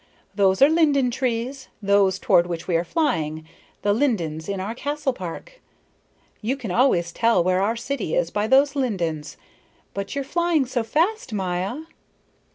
"Those are linden trees, those toward which we are flying, the lindens in our castle park. You can always tell where our city is by those lindens. But you're flying so fast, Maya."